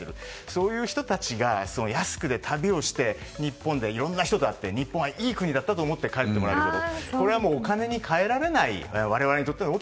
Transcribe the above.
そういう人たちが安く旅をして日本でいろいろな人と出会って日本がいい国だと思って帰ってもらえること。